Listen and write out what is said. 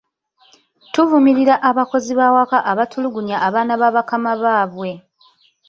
Tuvumirira abakozi b’awaka abatulugunya abaana ba bakama baabwe.